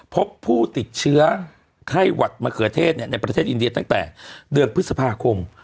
พบผู้ติดเชื้อไข้หวัดมะเขือเทศในประเทศอินเดียตั้งแต่เดือนพฤษภาคม